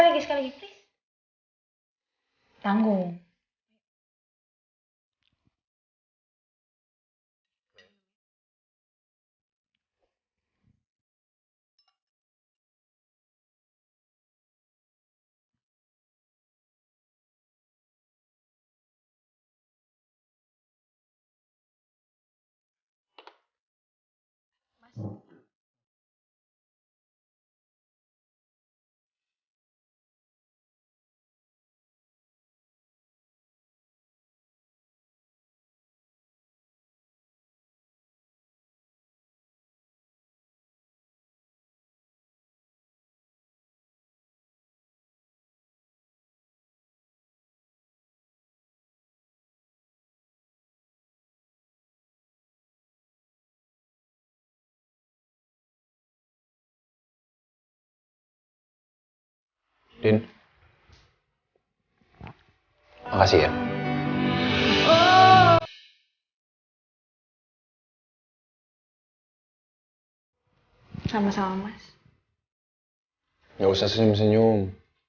gak usah senyum senyum